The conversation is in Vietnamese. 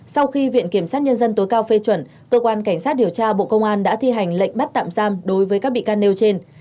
sau khi viện kiểm sát nhân dân tối cao phê chuẩn cơ quan cảnh sát điều tra bộ công an đã thi hành lệnh bắt tạm giam đối với các bị can nêu trên